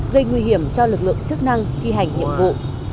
gây nguy hiểm cho lực lượng chức năng thi hành nhiệm vụ